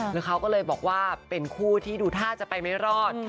แล้วเขาก็เลยบอกว่าเป็นคู่ที่ดูท่าจะไปไม่รอด